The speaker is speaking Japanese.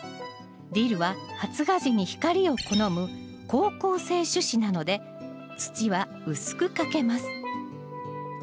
ディルは発芽時に光を好む好光性種子なので土は薄くかけます。